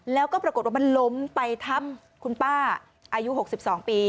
แล้วก็ปรากฏว่ามันล้มไปทับคุณป้าอายุ๖๒ปี